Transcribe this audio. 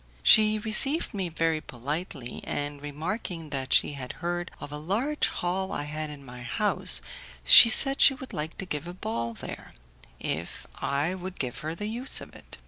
She received me very politely, and remarking that she had heard of a large hall I had in my house, she said she would like to give a ball there, if I would give her the use of it.